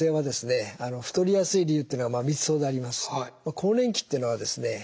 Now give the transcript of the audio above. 更年期というのはですね